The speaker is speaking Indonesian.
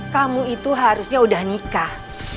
kamu itu harusnya udah nikah